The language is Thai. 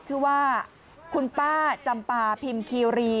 ชื่อว่าคุณป้าจำปาพิมคีรี